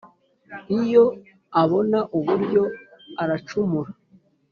iyo abona uburyo aracumura.